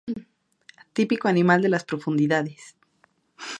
Típico animal de las profundidades.